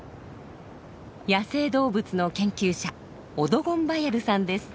野生動物の研究者オドゴンバヤルさんです。